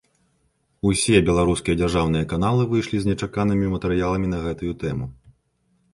Усе беларускія дзяржаўныя каналы выйшлі з нечаканымі матэрыяламі на гэтую тэму.